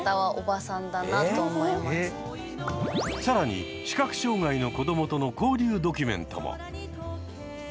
さらに視覚障害の子どもとの交流ドキュメントも。